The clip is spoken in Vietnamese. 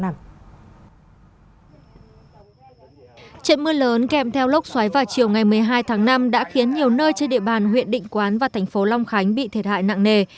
trận mưa lớn kèm theo lốc xoáy vào chiều ngày một mươi hai tháng năm đã khiến nhiều nơi trên địa bàn huyện định quán và thành phố long khánh bị thiệt hại nặng nề